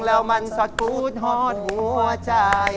แล้วมันสกูธอดหัวใจ